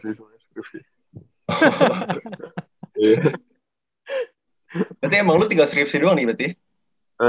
jadi lu tinggal skripsi doang nih berarti